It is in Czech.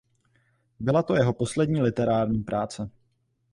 Byla to jeho poslední literární práce.